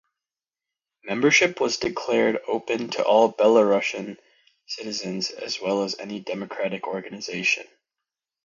Membership was declared open to all Belarusian citizens as well as any democratic organization.